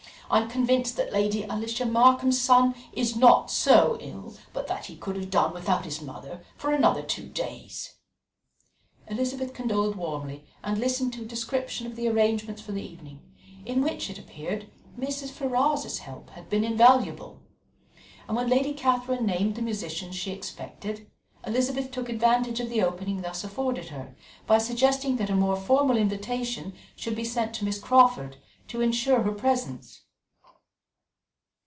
I am convinced that Lady Alicia Markham's son is not so ill but that he could have done without his mother for another two days." Elizabeth condoled warmly, and listened to a description of the arrangements for the evening, in which, it appeared, Mrs. Ferrars's help had been invaluable; and when Lady Catherine named the musicians she expected, Elizabeth took advantage of the opening thus afforded her, by suggesting that a more formal invitation should be sent to Miss Crawford, to ensure her presence.